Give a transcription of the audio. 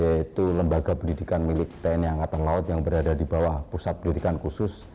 yaitu lembaga pendidikan milik tni angkatan laut yang berada di bawah pusat pendidikan khusus